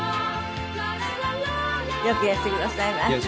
よくいらしてくださいました。